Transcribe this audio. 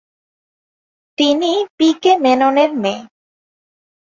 তিনি P K মেননের মেয়ে।